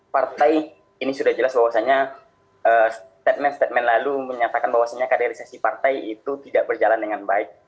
partai ini sudah jelas bahwasannya statement statement lalu menyatakan bahwasannya kaderisasi partai itu tidak berjalan dengan baik